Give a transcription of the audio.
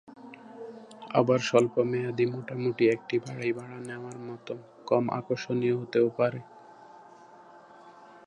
আবার স্বল্পমেয়াদী মোটামুটি একটি বাড়ি ভাড়া নেওয়ার মতো কম আকর্ষনীয় হতেও পারে।